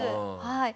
はい。